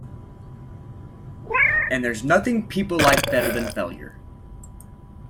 And there's nothing people like better than failure.